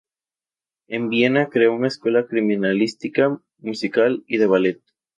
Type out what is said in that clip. En Vienna creó una escuela criminalística, musical y de ballet.